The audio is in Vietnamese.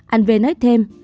anh v nói thêm